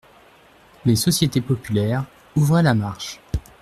Les sociétés populaires ouvraient la marche.